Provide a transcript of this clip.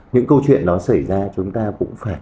những câu chuyện nó xảy ra chúng ta cũng phải